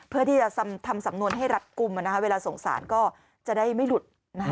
เพื่อที่จะทำสำนวนให้รัดกลุ่มเวลาสงสารก็จะได้ไม่หลุด